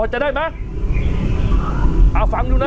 จะได้ไหมเอาฟังดูนะ